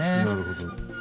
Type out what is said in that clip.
なるほど。